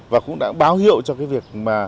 và cũng đã báo hiệu cho việc